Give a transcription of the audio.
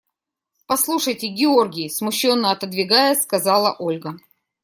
– Послушайте, Георгий, – смущенно отодвигаясь, сказала Ольга.